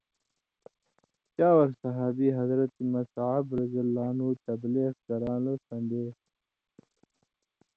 چاور صحابی حضرت مصعبؓ تبلیغ کران٘لوۡ سن٘دے،